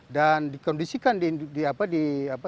dan dikondisikan di alamnya